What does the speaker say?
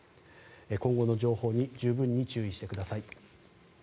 今後の情報に十分に注意してください。